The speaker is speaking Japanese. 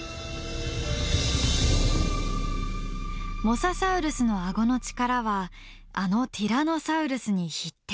モササウルスのあごの力はあのティラノサウルスに匹敵。